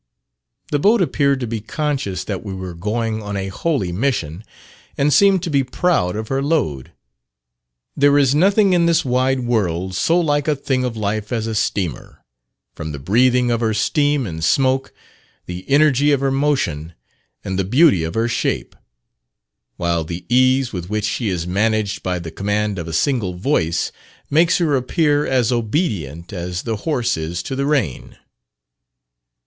The boat appeared to be conscious that we were going on a holy mission, and seemed to be proud of her load. There is nothing in this wide world so like a thing of life as a steamer, from the breathing of her steam and smoke, the energy of her motion, and the beauty of her shape; while the ease with which she is managed by the command of a single voice, makes her appear as obedient as the horse is to the rein.